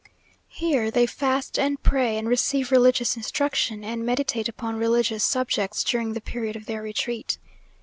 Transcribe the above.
Here they fast and pray and receive religious instruction, and meditate upon religious subjects during the period of their retreat.